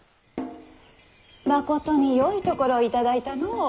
まことによい所を頂いたのう。